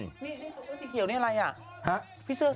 สีเขียวนี่อะไร